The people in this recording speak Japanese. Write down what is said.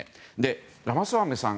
ラマスワミさん